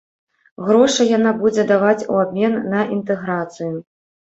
Грошы яна будзе даваць у абмен на інтэграцыю.